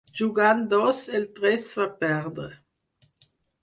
Jugant dos el tres va perdre.